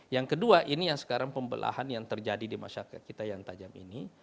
yang kedua ini yang sekarang pembelahan yang terjadi di masyarakat kita yang tajam ini